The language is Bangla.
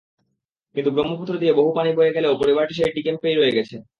কিন্তু ব্রহ্মপুত্র দিয়ে বহু পানি বয়ে গেলেও পরিবারটি সেই ডি-ক্যাম্পেই রয়ে গেছে।